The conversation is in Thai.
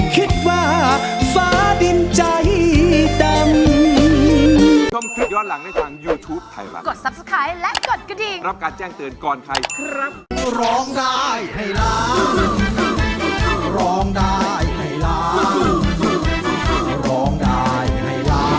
คิดว่าฟ้าดินใจดำ